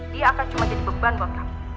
dia akan cuma jadi beban buat kamu